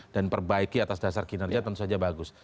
dan perbaiki atas dasar kinerja tentu saja bagus